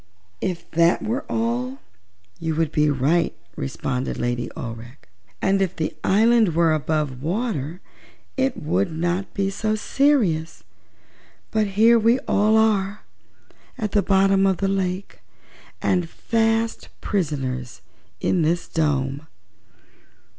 "If that were all you would be right," responded Lady Aurex; "and if the island were above water it would not be so serious. But here we all are, at the bottom of the lake, and fast prisoners in this dome."